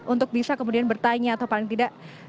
untuk bisa kemudian bertanya atau paling tidak